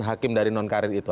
hakim dari non karir itu